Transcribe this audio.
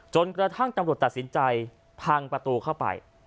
จนกระทั่งตำรวจตัดสินใจพังประตูเข้าไป